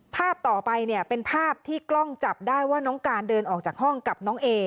ภาพต่อไปเนี่ยเป็นภาพที่กล้องจับได้ว่าน้องการเดินออกจากห้องกับน้องเอ